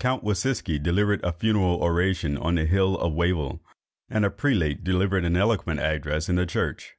Count Wodsiki delivered a funeral oration on the hill of Wavel, and a prelate delivered an eloquent address in the church.